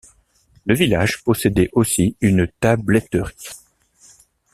Le village possédait aussi une tabletterie.